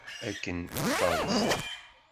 Akken d taḍsa.